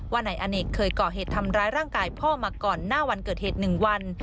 นายอเนกเคยก่อเหตุทำร้ายร่างกายพ่อมาก่อนหน้าวันเกิดเหตุ๑วัน